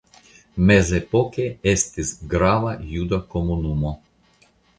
Mezepoke estis grava juda komunumo.